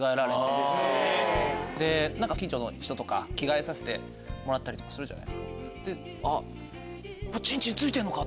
近所の人とかに着替えさせてもらったりする。